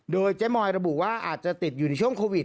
โดยเจ๊มอยระบุว่าอาจจะติดอยู่ในช่วงโควิด